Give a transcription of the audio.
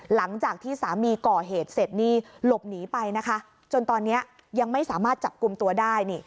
หลังจากที่สามีก่อเหตุเสร็จนี่หลบหนีไปนะคะจนตอนนี้ยังไม่สามารถจับกลุ่มตัวได้